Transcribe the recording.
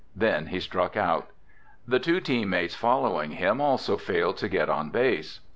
Then he struck out. The two teammates following him also failed to get on base.